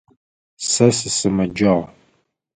Сэ сысымэджагъ.